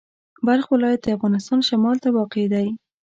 بلخ ولایت د افغانستان شمال ته واقع دی.